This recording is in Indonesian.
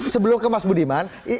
sebelum ke mas budiman